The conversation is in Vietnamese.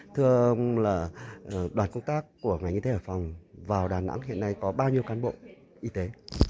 thưa ông là đoàn công tác của ngành y tế hải phòng vào đà nẵng hiện nay có bao nhiêu cán bộ y tế